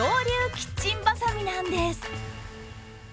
キッチンバサミなんです。